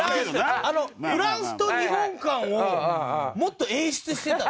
フランスと日本間をもっと演出してた。